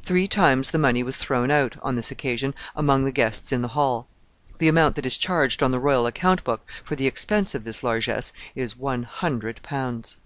Three times the money was thrown out, on this occasion, among the guests in the hall. The amount that is charged on the royal account book for the expense of this largesse is one hundred pounds.